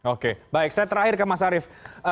oke baik saya terakhir ke mas arief